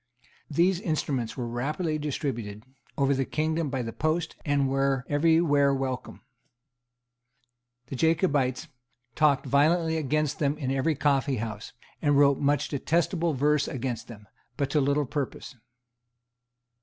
These instruments were rapidly distributed over the kingdom by the post, and were every where welcome. The Jacobites talked violently against them in every coffeehouse, and wrote much detestable verse against them, but to little purpose.